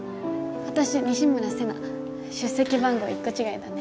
私西村世奈出席番号１個違いだね